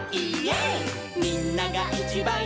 「みんながいちばん」